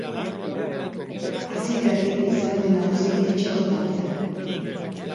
Hasieratik izan da nagusi etxeko taldea.